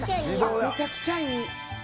めちゃくちゃいい！